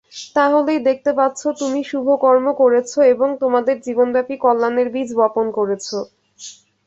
তাহলেই দেখতে পাচ্ছ, তুমি শুভকর্ম করেছ এবং তোমার জীবনব্যাপী কল্যাণের বীজ বপন করেছ।